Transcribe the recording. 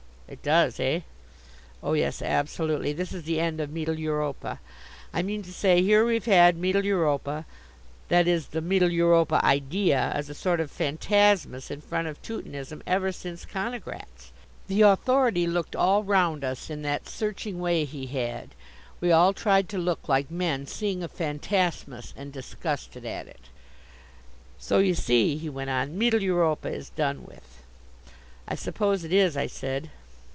"It does, eh?" "Oh, yes, absolutely. This is the end of Mittel Europa. I mean to say here we've had Mittel Europa, that is, the Mittel Europa idea, as a sort of fantasmus in front of Teutonism ever since Koniggratz." The Authority looked all round us in that searching way he had. We all tried to look like men seeing a fantasmus and disgusted at it. "So you see," he went on, "Mittel Europa is done with." "I suppose it is," I said.